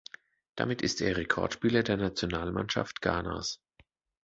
Damit ist er Rekordspieler der Nationalmannschaft Ghanas.